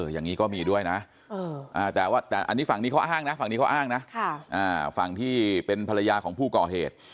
อย่างนี้ก็มีด้วยนะแต่ว่าอันนี้ฝั่งนี้เขาอ้างนะฝั่งที่เป็นภรรยาของผู้ก่อเหตุ